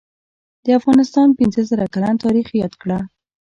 دافغانستان پنځه زره کلن تاریخ یاد کړه